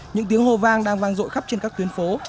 những tiếng hồ vang đang vang rội khắp trên các tuyến phố